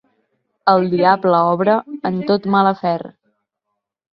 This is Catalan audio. El diable obra en tot mal afer.